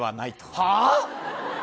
はあ？